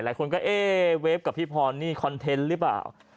หลายคนก็เอ๊ะเวฟกับพี่พรนี่คอนเทนต์หรือเปล่า